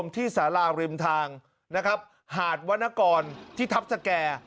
ที่สาราริมทางนะครับหาดวรรณกรที่ทัพสแก่